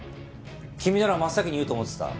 君なら真っ先に言うと思ってた。